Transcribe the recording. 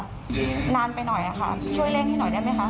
นานไปหน่อยค่ะช่วยเร่งให้หน่อยได้ไหมคะ